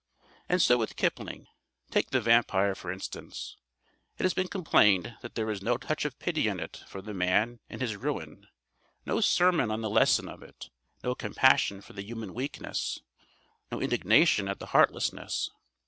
And so with Kipling. Take The Vampire, for instance. It has been complained that there is no touch of pity in it for the man and his ruin, no sermon on the lesson of it, no compassion for the human weakness, no indignation at the heartlessness.